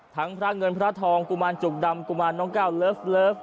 พระเงินพระทองกุมารจุกดำกุมารน้องก้าวเลิฟ